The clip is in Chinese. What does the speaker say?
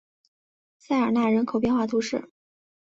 塞尔奈人口变化图示